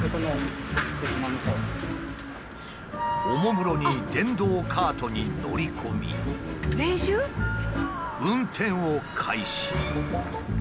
おもむろに電動カートに乗り込み運転を開始。